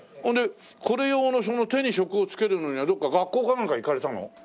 ほんでこれ用の手に職をつけるのにはどっか学校かなんか行かれたの？